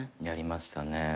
やりましたね。